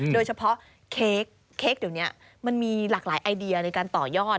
โดยเฉพาะเค้กเดี๋ยวนี้มันมีหลากหลายไอเดียในการต่อยอด